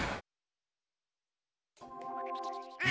あ！